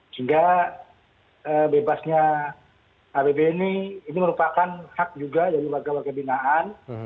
sehingga bebasnya abb ini ini merupakan hak juga dari warga warga binaan